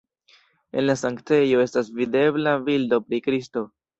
En la sanktejo estas videbla bildo pri Kristo.